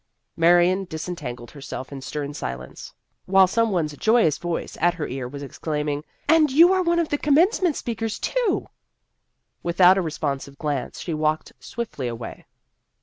Marion disentangled herself in stern silence, while some one's joyous voice at her ear was exclaiming, " And you are one of the Commencement speakers too !" Without a responsive glance, she walked swiftly away.